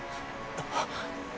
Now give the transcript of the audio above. あっ。